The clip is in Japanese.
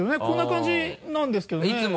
こんな感じなんですけどね。